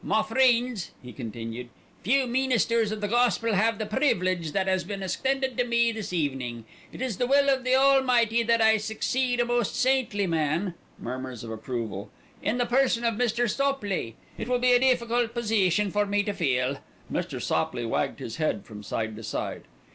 "Ma Freends," he continued. "Few meenisters of the Gospel have the preevilege that has been extended to me this evening. It is the will of the Almighty that I succeed a most saintly man (murmurs of approval) in the person of Mr. Sopley. It will be a deefecult poseetion for me to fill. (Mr. Sopley wagged his head from side to side.)